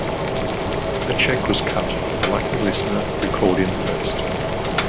A check was cut for the lucky listener who called in first.